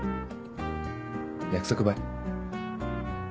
約束ばい